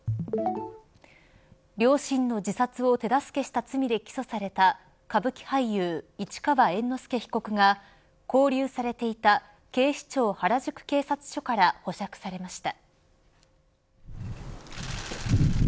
両親の自殺を手助けした罪で起訴された歌舞伎俳優、市川猿之助被告が勾留されていた警視庁原宿警察署から保釈されました。